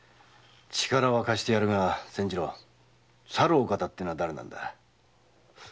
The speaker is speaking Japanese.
力は貸してやるが“さるお方”っていうのは誰なんだ？